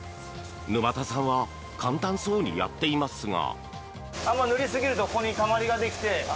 沼田さんは簡単そうにやっていますが。